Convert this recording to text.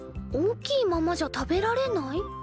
大きいままじゃ食べられない？